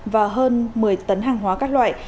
và hơn một mươi tấn hàng hóa các loại